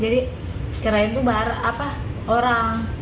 jadi kira kira itu orang